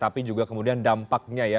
tapi juga kemudian dampaknya ya